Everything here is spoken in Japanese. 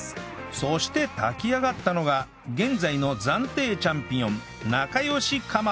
そして炊き上がったのが現在の暫定チャンピオンなかよし釜飯